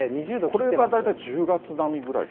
これは大体１０月並みぐらい？